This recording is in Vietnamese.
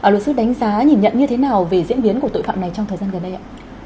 luật sư đánh giá nhìn nhận như thế nào về diễn biến của tội phạm này trong thời gian gần đây ạ